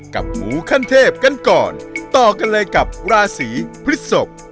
หมูขั้นเทพกันก่อนต่อกันเลยกับราศีพฤศพ